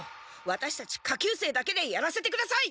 ワタシたち下級生だけでやらせてください！